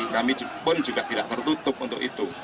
kami pun juga tidak tertutup untuk itu